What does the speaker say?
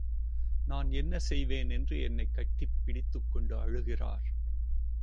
நான் என்னசெய்வேன் என்று என்னைக் கட்டிப் பிடித்துக்கொண்டு அழுகிறார்.